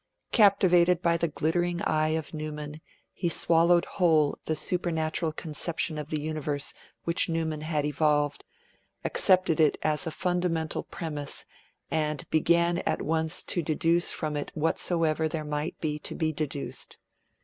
Captivated by the glittering eye of Newman, he swallowed whole the supernatural conception of the universe which Newman had evolved, accepted it as a fundamental premise, and 'began at once to deduce from it whatsoever there might be to be deduced.'